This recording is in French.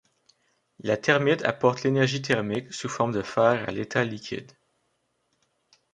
La thermite apporte l'énergie thermique sous forme de fer à l'état liquide.